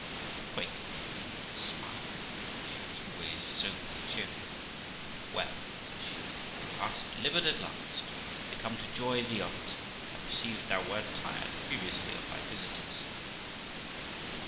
The Quaker came in smiling (for she was always soberly cheerful). 'Well', says she, 'thou art delivered at last; I come to joy thee of it; I perceived thou wert tired grievously of thy visitors.'